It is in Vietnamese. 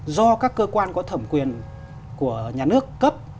do các cơ quan có thẩm quyền của nhà nước cấp